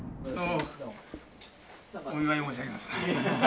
お見舞い申し上げます。